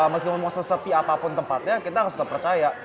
meskipun mau sesepi apapun tempatnya kita harus tetap percaya